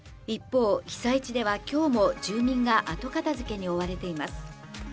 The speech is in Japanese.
一方、被災地ではきょうも、住民が後片づけに追われています。